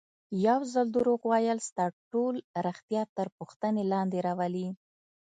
یو ځل دروغ ویل ستا ټول ریښتیا تر پوښتنې لاندې راولي.